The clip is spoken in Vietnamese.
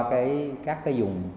đầu ra cho các dùng